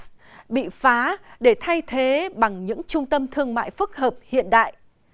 hồ tuyền lâm đã bị phá để thay thế bằng những trung tâm thương mại phức hợp hiện đại